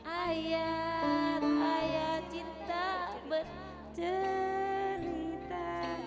ayat ayat cinta bercerita